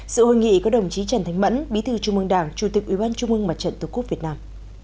sự hội nghị có đồng chí trần thánh mẫn bí thư trung mương đảng chủ tịch ủy ban trung mương mặt trận tổ quốc việt nam